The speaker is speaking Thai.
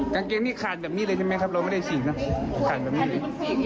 กางเกงนี่ขาดแบบนี้เลยใช่ไหมครับเราไม่ได้ฉีกนะขาดแบบนี้เลย